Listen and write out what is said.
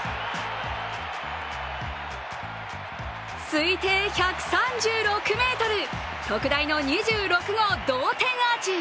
推定１３６ｍ、特大の２６号同点アーチ。